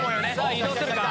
移動するか？